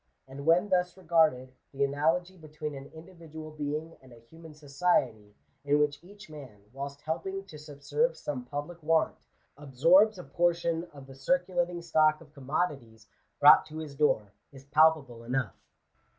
And when thus regarded, the analogy between an individual being and a human society, in whioh each man, whilst helping to subserve some public want, absorbs a portion of the circulating stock of commodities brought to his door, is palpable enough.